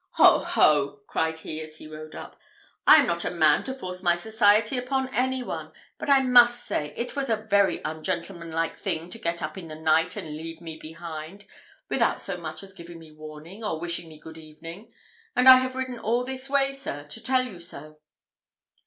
"Ho, ho!" cried he, as he rode up, "I am not a man to force my society upon any one; but I must say, it was a very ungentlemanlike thing to get up in the night, and leave me behind, without so much as giving me warning, or wishing me good evening; and I have ridden all this way, sir, to tell you so."